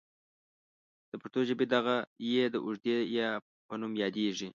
د پښتو ژبې دغه ې د اوږدې یا په نوم یادیږي.